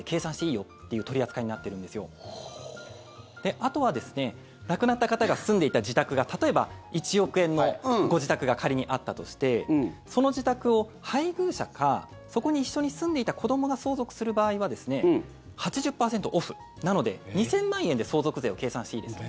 あとは亡くなった方が住んでいた自宅が例えば１億円のご自宅が仮にあったとしてその自宅を配偶者かそこに一緒に住んでいた子どもが相続する場合は８０％オフなので２０００万円で相続税を計算していいですと。